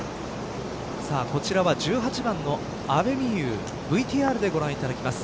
こちらは１８番の阿部未悠ＶＴＲでご覧いただきます。